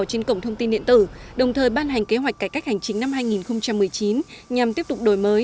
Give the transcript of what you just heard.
trên cổng thông tin điện tử đồng thời ban hành kế hoạch cải cách hành chính năm hai nghìn một mươi chín nhằm tiếp tục đổi mới